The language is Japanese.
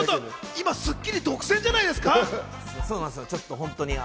今『スッキリ』独占じゃないですか？